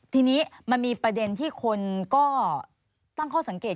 ทีนี้มันมีประเด็นที่คนก็ตั้งข้อสังเกต